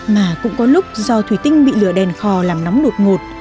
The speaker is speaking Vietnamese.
mà cũng có lúc do thủy tinh bị lửa đèn khò làm nóng đột ngột